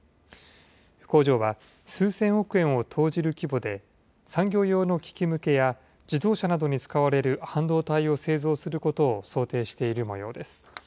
工場は、数千億円を投じる規模で、産業用の機器向けや、自動車などに使われる半導体を製造することを想定しているもようです。